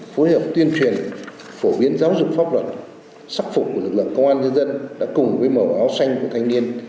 phối hợp tuyên truyền phổ biến giáo dục pháp luật sắc phục của lực lượng công an nhân dân đã cùng với màu áo xanh của thanh niên